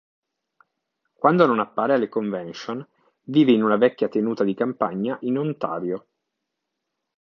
Quando non appare alle convention, vive in una vecchia tenuta di campagna in Ontario.